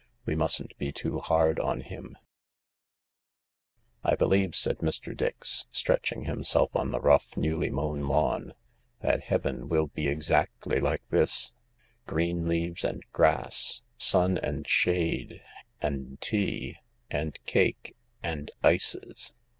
" We mustn't be too hard on him/' " I believe," said Mr. Dix, stretching himself on the rough, newly mown lawn, "that heaven will be exactly like this. Green leaves and grass— sun and shade. And tea. And cake. And ices."